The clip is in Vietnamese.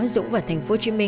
dũng và tp hcm